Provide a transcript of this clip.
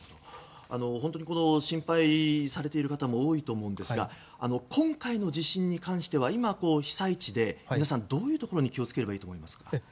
本当に心配されている方も多いと思うんですが今回の地震に関しては今、被災地で皆さん、どういうところに気を付ければいいと思いますか？